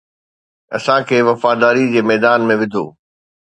اسان کي وفاداري جي ميدان ۾ وڌو